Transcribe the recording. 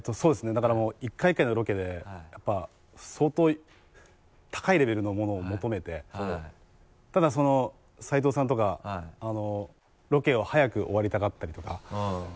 だからもう１回１回のロケでやっぱり相当高いレベルのものを求めてただその斉藤さんとかロケを早く終わりたがったりとか。